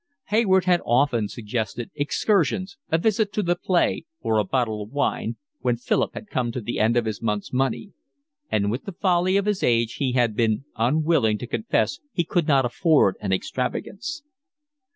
Hayward had often suggested excursions, a visit to the play, or a bottle of wine, when Philip had come to the end of his month's money; and with the folly of his age he had been unwilling to confess he could not afford an extravagance.